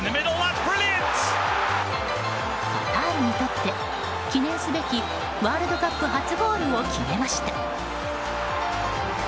カタールにとって、記念すべきワールドカップ初ゴールを決めました。